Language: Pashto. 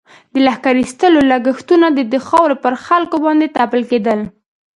د لښکر ایستلو لږښتونه د دې خاورې پر خلکو باندې تپل کېدل.